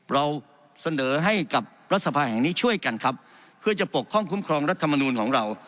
เราเสนอให้กับรัฐสภาแห่งนี้ช่วยกันครับเพื่อจะปกค่องคุ้มครองรัฐมนูลของเรา